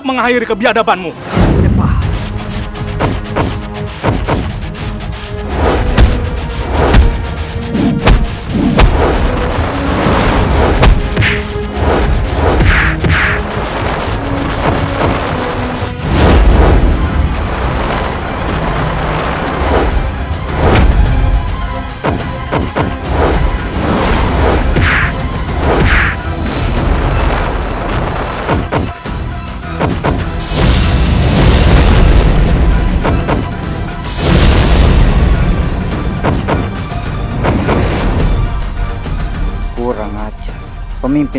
kenapa mereka tiba tiba pergi